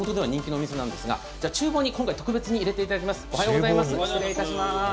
地元では人気のお店なんですが、ちゅう房に今回は特別に入れていただきます。